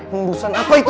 pembusan apa itu